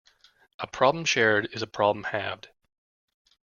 A problem shared is a problem halved.